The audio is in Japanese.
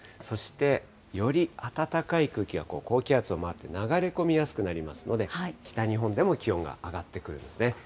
そして、より暖かい空気が高気圧を回って、流れ込みやすくなりますので、北日本でも気温が上がってくるんですね。